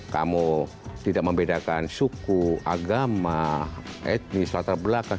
kamu tidak membedakan suku agama etnis latar belakang